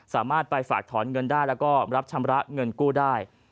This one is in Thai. สามารถไปฝากถอนเงินได้แล้วก็รับชำระเงินกู้ได้